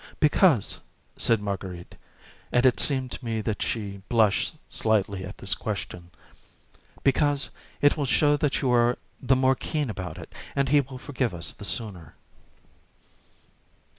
"Because," said Marguerite, and it seemed to me that she blushed slightly at this question, "because it will show that you are the more keen about it, and he will forgive us the sooner."